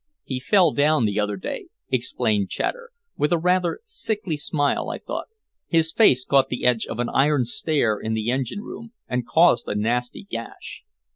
"He fell down the other day," explained Chater, with a rather sickly smile, I thought. "His face caught the edge of an iron stair in the engine room, and caused a nasty gash."